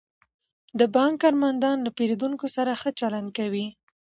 د بانک کارمندان له پیرودونکو سره ښه چلند کوي.